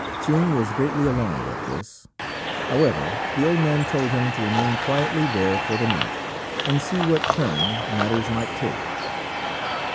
Chung was greatly alarmed at this; however, the old man told him to remain quietly there for the night, and see what turn matters might take.